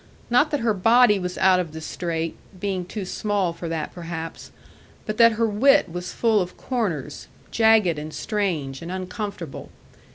Not that her body was out of the straight (being too small for that perhaps), but that her wit was full of corners, jagged, and strange, and uncomfortable.